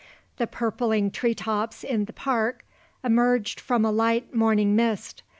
The purpling tree tops in the park emerged from a light morning mist.